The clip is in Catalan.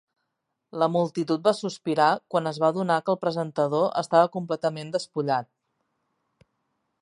La multitud va sospirar quan es va adonar que el presentador estava completament despullat.